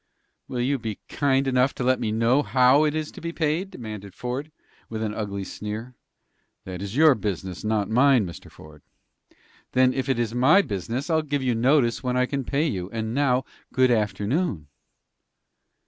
"Will you be kind enough to let me know how it is to be paid?" demanded Ford, with an ugly sneer. "That is your business, not mine, Mr. Ford." "Then, if it is my business, I'll give you notice when I can pay you. And now, good afternoon."